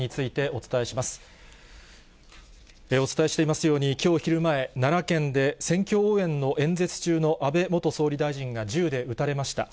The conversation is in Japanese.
お伝えしていますように、きょう昼前、奈良県で選挙応援の演説中の安倍元総理大臣が銃で撃たれました。